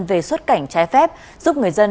về xuất cảnh trái phép giúp người dân